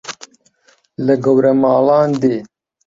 لە گەورە ماڵان دێ